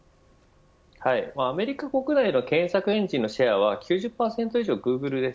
アメリカ国内の検索エンジンのシェアは９０％以上、グーグルです。